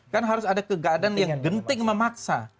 kan harus ada kegadan yang genting memaksa